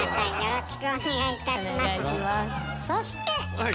そして！